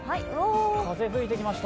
風吹いてきました。